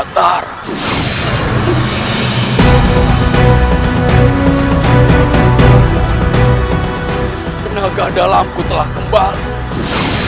tenaga dalamku telah kembali